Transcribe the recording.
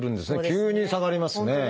急に下がりますね。